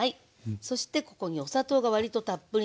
そしてここにお砂糖がわりとたっぷりめ。